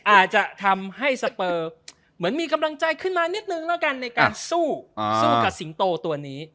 อาจจะทำให้สเปอร์เหมือนมีกำลังใจขึ้นมานิดนึงแล้วกันในการสู้สู้กับสิงโตตัวนี้